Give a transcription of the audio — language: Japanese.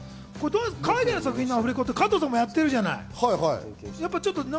海外の作品って加藤さんもやってるじゃない。